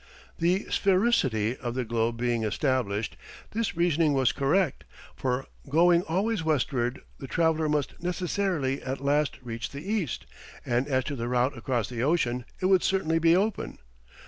The sphericity of the Globe being established, this reasoning was correct, for going always westward, the traveller must necessarily at last reach the east, and as to the route across the ocean, it would certainly be open.